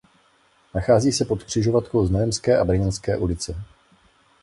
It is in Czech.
Nachází se pod křižovatkou Znojemské a Brněnské ulice.